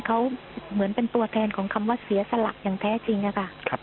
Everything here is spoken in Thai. เขาเหมือนเป็นตัวแทนของคำว่าเสียสละอย่างแท้จริงค่ะ